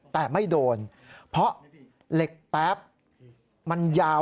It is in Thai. แต่ไม่โดนเพราะเหล็กแป๊บมันยาว